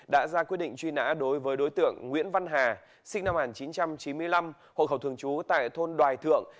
đã ra quyết định truy nã đối với đối tượng nguyễn văn hà sinh năm một nghìn chín trăm chín mươi năm hộ khẩu thường trú tại thôn đoài thượng